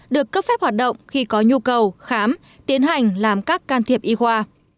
được cấp phép hoạt động khi có nhu cầu khám tiến hành làm các can thiệp y khoa